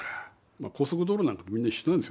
高速道路なんかもみんな一緒なんですよね。